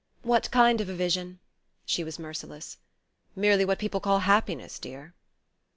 "What kind of a vision?" She was merciless. "Merely what people call happiness, dear."